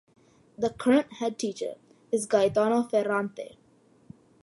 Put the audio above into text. The current head teacher is Gaetano Ferrante.